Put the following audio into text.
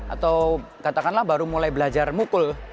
atau katakanlah baru mulai belajar mukul